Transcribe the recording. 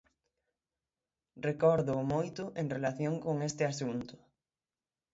Recórdoo moito en relación con este asunto.